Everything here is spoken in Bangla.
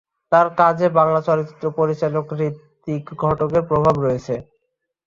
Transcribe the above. তার কাজে বাংলা চলচ্চিত্র পরিচালক ঋত্বিক ঘটকের প্রভাব রয়েছে।